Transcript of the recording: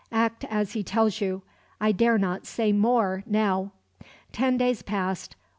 Act as he tells you. I dare not say more, now." Ten days passed.